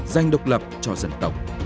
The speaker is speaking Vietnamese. dành độc lập cho dân tộc